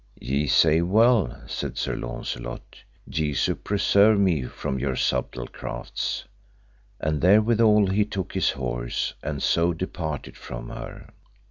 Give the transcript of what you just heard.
Ye say well, said Sir Launcelot, Jesu preserve me from your subtle crafts. And therewithal he took his horse and so departed from her.